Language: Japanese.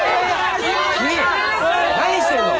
君何してるの！